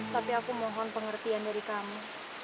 tapi aku mohon pengertian dari kami